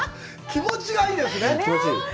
気持ちがいいですね。